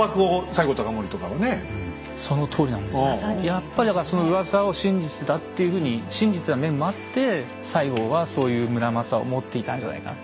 やっぱりだからそのうわさを真実だっていうふうに信じてた面もあって西郷はそういう村正を持っていたんじゃないかな。